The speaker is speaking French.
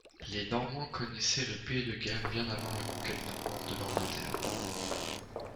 Les Normands connaissaient le Pays de Galles bien avant la conquête normande de l’Angleterre.